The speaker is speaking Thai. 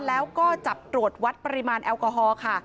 แล้วก็จับตรวจวัดปริมาณแอลกอฮอล์ค่ะ